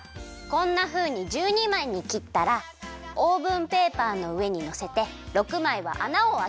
こんなふうに１２まいにきったらオーブンペーパーのうえにのせて６まいはあなをあける。